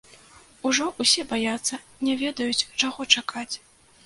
Ужо ўсе баяцца, не ведаюць, чаго чакаць.